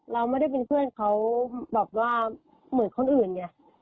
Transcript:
เราไม่ได้เป็นเพื่อนเค้าเหมือนคนอื่นเนี่ย